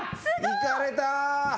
いかれた。